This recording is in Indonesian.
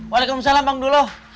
waalaikumsalam bang duluh